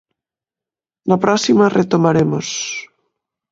Na próxima retomaremos.